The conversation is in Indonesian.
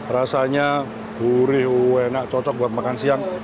rasanya gurih enak cocok buat makan siang